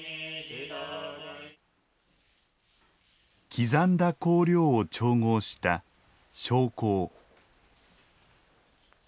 刻んだ香料を調合した「焼香」。